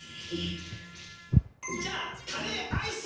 じゃあカレーアイス！